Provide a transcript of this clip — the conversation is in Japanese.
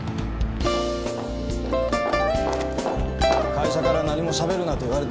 会社から何もしゃべるなと言われてるんで。